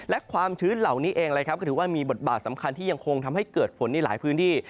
และความชื้นเหล่านี้เองนะครับก็ถือว่ามีบทบาทสำคัญที่ยังคงทำให้เกิดฝนในหลายพื้นที่